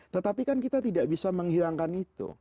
tetapi kan kita tidak bisa menghilangkan itu